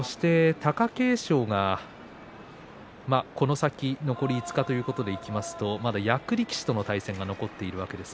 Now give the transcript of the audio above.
貴景勝がこの先の残り５日ということでいきますと役力士との対戦が残っているわけです。